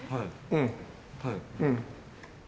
うん。